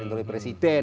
itu oleh presiden